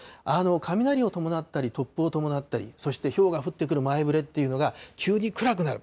雷を伴ったり、突風を伴ったり、そして、ひょうが降ってくる前ぶれっていうのが、急に暗くなる。